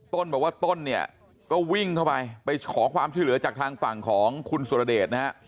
ต้นบอกว่าต้นเนี่ยก็วิ่งเข้าไปไปขอความช่วยเหลือจากทางฝั่งของคุณสุรเดชนะฮะ